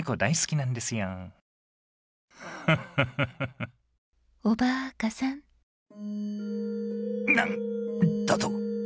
なんだと。